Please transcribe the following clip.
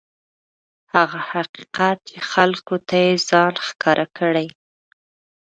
هغه حقیقت چې خلکو ته یې ځان ښکاره کړی.